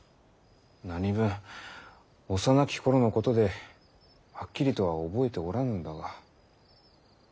何分幼き頃のことではっきりとは覚えておらぬのだが。